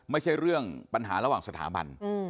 ไม่ใช่เรื่องปัญหาระหว่างสถาบัน